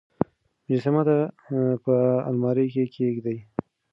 مجسمه په المارۍ کې کېږدئ.